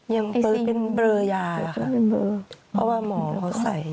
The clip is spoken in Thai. ยังเปิดเป็นเบลอยาค่ะเพราะว่าหมอเขาใส่